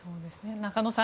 中野さん